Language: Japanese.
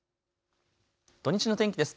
土日の天気です。